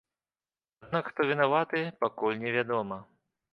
Аднак хто вінаваты, пакуль невядома.